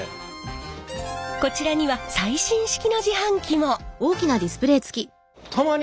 こちらには最新式の自販機も！